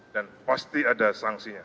dan pasti ada sanksinya